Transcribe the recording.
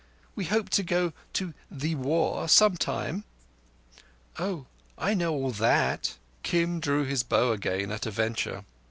We hope to go to 'thee War' sometime." "Oah, I know all thatt." Kim drew his bow again at a venture.